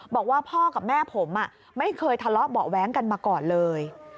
บอกว่าพ่อกับแม่ผมไม่เคยทะเลาะเบาะแว้งกันมาก่อนเลย